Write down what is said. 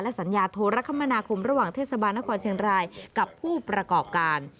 สัญญาโทรคมนาคมระหว่างเทศบาลนครเชียงรายกับผู้ประกอบการ